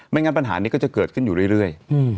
งั้นปัญหานี้ก็จะเกิดขึ้นอยู่เรื่อย